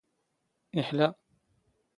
ⵉⵃⵍⴰ.